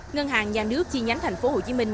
ngân hàng nhà nước chi nhánh thành phố hồ chí minh